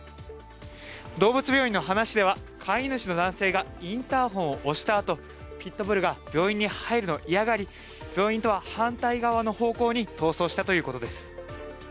動物病院の話では、飼い主の男性がインターホンを押したあと、ピット・ブルが病院に入るのを嫌がり、病院とは反対側の方向に逃走したということです。